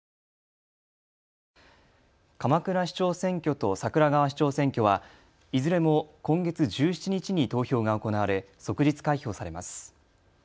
鎌倉市長選挙と桜川市長選挙はいずれも今月１７日に投票が行われ、即日開票されます。